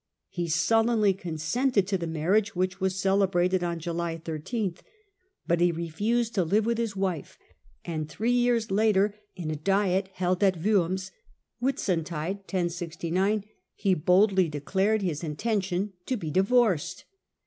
He sullenly consented to the marriage, which was celebrated on July 13 ; but he refused to live with his wife, and three years later, in a diet held at Worms (Whitsuntide 1069), he boldly declared his intention to be divorced.